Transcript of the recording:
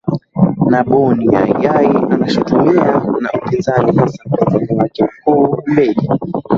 na boni yai yai anashutumiwa na upinzani hasa mpinzani wake mkuu humbeji